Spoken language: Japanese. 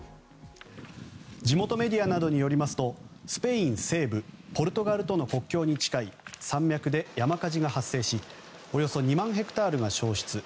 地元メディアなどによりますとスペイン西部ポルトガルとの国境に近い山脈で山火事が発生しおよそ２万ヘクタールが焼失。